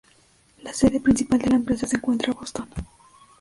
La sede principal de la empresa se encuentra en Boston.